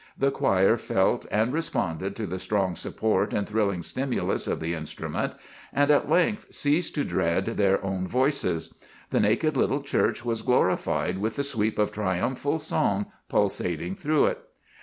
The choir felt and responded to the strong support and thrilling stimulus of the instrument, and at length ceased to dread their own voices. The naked little church was glorified with the sweep of triumphal song pulsating through it.